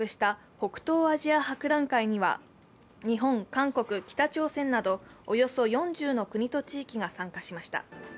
北東アジア博覧会には日本、韓国、北朝鮮などおよそ４０の国と地域が参加しました。